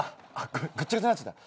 ぐっちゃぐちゃになっちゃった。